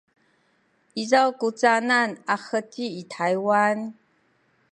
izaw ku canan a heci i Taywan?